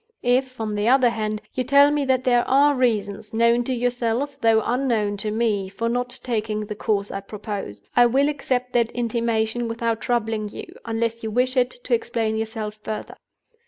If, on the other hand, you tell me that there are reasons (known to yourself, though unknown to me) for not taking the course I propose, I will accept that intimation without troubling you, unless you wish it, to explain yourself further.